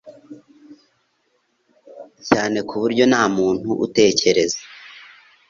cyane ku buryo nta muntu utekereza